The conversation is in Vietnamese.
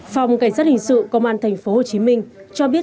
phòng cảnh sát hình sự công an tp hcm cho biết